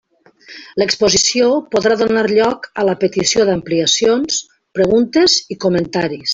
L'exposició podrà donar lloc a la petició d'ampliacions, preguntes i comentaris.